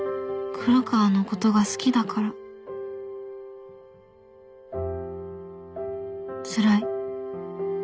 黒川のことが好きだからつらい